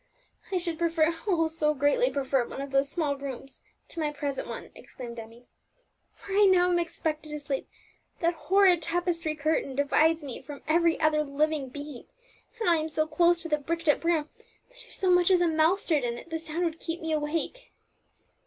"I should prefer oh, so greatly prefer one of those small rooms to my present one!" exclaimed Emmie. "Where I now am expected to sleep, that horrid tapestry curtain divides me from every other living being, and I am so close to the bricked up room, that if so much as a mouse stirred in it, the sound would keep me awake.